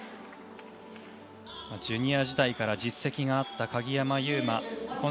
ジュニア時代から実績のあった鍵山優真です。